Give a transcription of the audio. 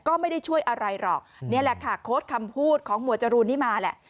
ก็ไม่ได้ช่วยอะไรหรอกนี่แหละค่ะโค้ดคำพูดของหมวดจรูนนี้มาแหละ